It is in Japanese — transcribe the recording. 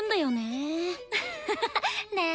アハハね。